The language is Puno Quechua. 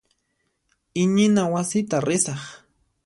Iñina wasita risaq.